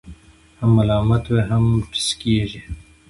هم ملامته وي، هم ټسکېږي.